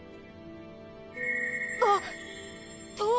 あっ！とわ！